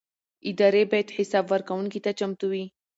ادارې باید حساب ورکونې ته چمتو وي